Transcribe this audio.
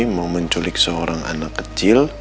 mau menculik seorang anak kecil